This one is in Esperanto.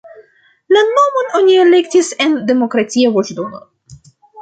La nomon oni elektis en demokratia voĉdono.